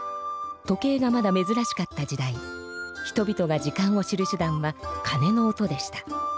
時計がまだめずらしかった時代人々が時間を知る手だんはかねの音でした。